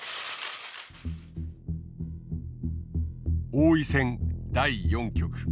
王位戦第４局。